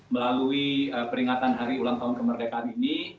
melalui peringatan hari ulang tahun kemerdekaan ini